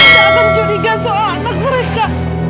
jangan mencuriga soal anak mereka